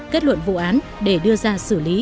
kết luận vụ án để đưa ra xử lý